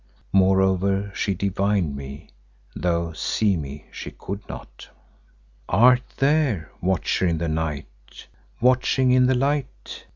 Moreover she divined me, though see me she could not. "Art there, Watcher in the Night, watching in the light?"